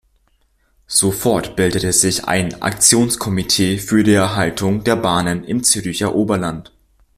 Sofort bildete sich ein "Aktionskomitee für die Erhaltung der Bahnen im Zürcher Oberland".